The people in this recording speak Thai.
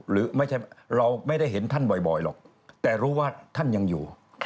เราไม่ได้เห็นท่านบ่อยหรอกแต่รู้ว่าท่านยังอยู่